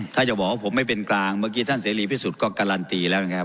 ถ้าจะบอกว่าผมไม่เป็นกลางเมื่อกี้ท่านเสรีพิสุทธิ์ก็การันตีแล้วนะครับ